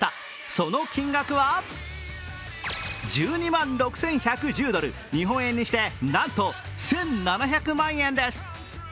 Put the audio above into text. その金額は１２万６１１０ドル、日本円にしてなんと、１７００万円です。